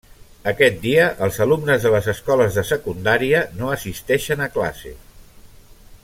Aquest dia els alumnes de les escoles de secundària no assisteixen a classe.